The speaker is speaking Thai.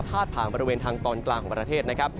ผ่านบริเวณทางตอนกลางของประเทศนะครับ